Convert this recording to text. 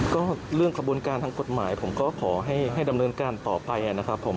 ก็เรื่องขบวนการทางกฎหมายผมก็ขอให้ดำเนินการต่อไปนะครับผม